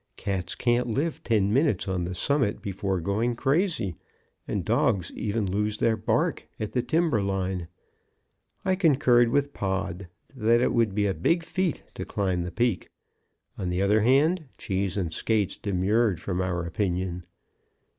Cats can't live ten minutes on the summit before going crazy, and dogs even lose their bark at the timber line. I concurred with Pod that it would be a big feat to climb the Peak. On the other hand, Cheese and Skates demurred from our opinion.